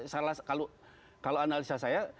salah kalau analisa saya